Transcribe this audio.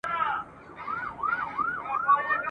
د قسمت په شکایت نه مړېدله ..